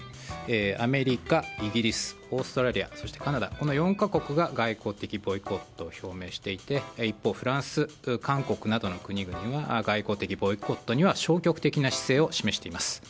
アメリカ、イギリスオーストラリアそしてカナダの４か国が外交的ボイコットを表明していて一方、フランス、韓国などの国々は外交的ボイコットには消極的な姿勢を示しています。